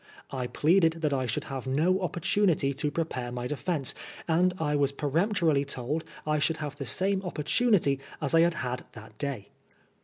I pleaded that I should have no opportunity to prepare my defence, and I was peremp torily told I should have the same opportunity as I had had that day.